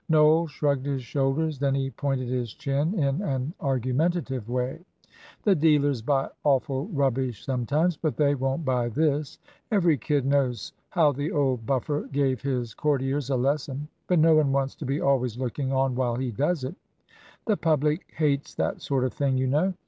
Noel shrugged his shoulders; then he pointed his chin in an argumentative way. "The dealers buy awful rubbish sometimes, but they won't buy this. Every kid knows how the old buffer gave his courtiers a lesson, but no one wants to be always looking on while he does it; the public hates that sort of thing, you know.